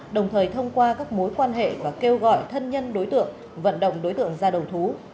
đồng thời thông qua các mối quan hệ và kêu gọi thân nhân đối tượng vận động đối tượng ra đầu thú